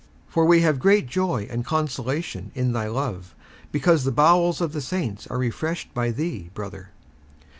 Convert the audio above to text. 57:001:007 For we have great joy and consolation in thy love, because the bowels of the saints are refreshed by thee, brother.